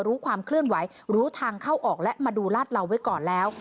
รู้ความเคลื่อนไหวรู้ทางเข้าออกและมาดูลาดเหล่าไว้ก่อนแล้ว